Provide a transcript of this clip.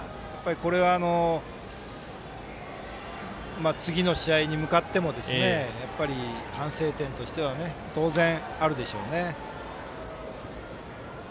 これは次の試合に向かっても反省点としては当然、あるでしょうね。